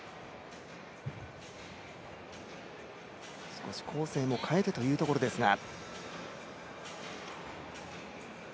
少し構成も変えてというところですが。